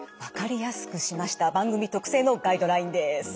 分かりやすくしました番組特製のガイドラインです。